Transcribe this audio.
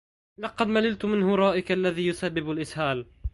لقد مللت من هرائك الذي يسبب الإسهال.